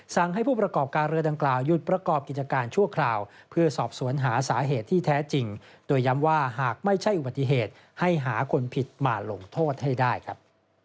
สั่งให้ผู้ประกอบการเรือดังกล่าว